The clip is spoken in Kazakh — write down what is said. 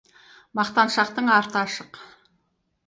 Мақтаншақтың арты ашық.